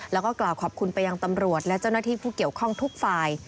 แล้วก็กล่าวขอบคุณไปยังตำรวจและเจ้าหน้าที่ผู้เกี่ยวข้องทุกฝ่าย